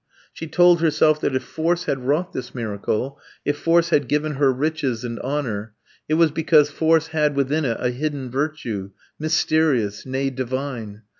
She told herself that if force had wrought this miracle, if force had given her riches and honour, it was because force had within it a hidden virtue, mysterious nay, divine.